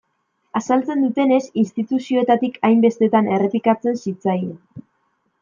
Azaltzen dutenez, instituzioetatik hainbestetan errepikatzen zitzaien.